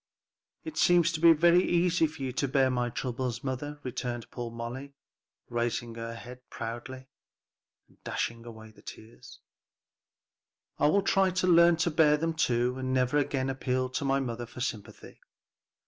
"It seems to be very easy for you to bear my troubles, mother," returned poor Molly, raising her head proudly, and dashing away the tears, "I will try to learn to bear them too, and never again appeal to my mother for sympathy."